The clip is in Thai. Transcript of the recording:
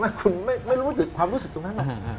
ไม่คุณไม่รู้ความรู้สึกตรงนั้นหรอก